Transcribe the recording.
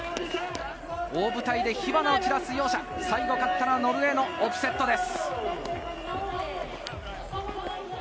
大舞台で火花を散らす両者、最後、勝ったのはノルウェーのオプセットです。